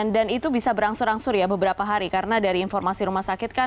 dan itu bisa berangsur angsur ya beberapa hari karena dari informasi rumah sakit kan